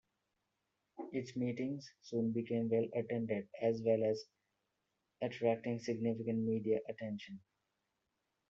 Its meetings soon became well attended, as well as attracting significant media attention.